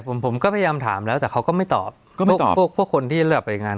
ผมผมก็พยายามถามแล้วแต่เขาก็ไม่ตอบพวกพวกคนที่เลือกไปงาน